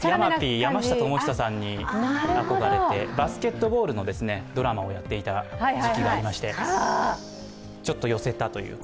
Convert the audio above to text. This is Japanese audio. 山下智久さんに憧れてバスケットボールのドラマをやっていた時期がありまして、ちょっと寄せたというか。